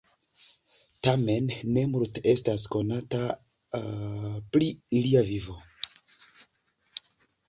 Tamen ne multe estas konata pri lia vivo.